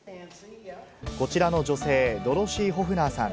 こちらの女性、ドロシー・ホフナーさん。